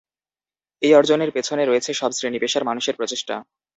এই অর্জনের পেছনে রয়েছে সব শ্রেণি পেশার মানুষের প্রচেষ্টা।